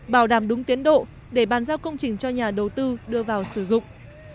bảo đảm đúng tiến độ để bàn giao công trình cho nhà đầu tư đưa vào sử dụng